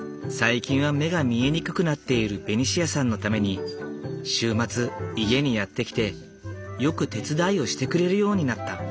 最近は目が見えにくくなっているベニシアさんのために週末家にやって来てよく手伝いをしてくれるようになった。